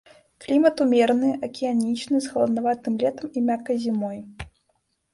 Клімат умераны, акіянічны, з халаднаватым летам і мяккай зімой.